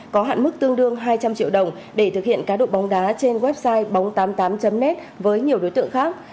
có hạn mức tương đương hai trăm linh triệu đồng để thực hiện cá độ bóng đá trên website bóng tám mươi tám m với nhiều đối tượng khác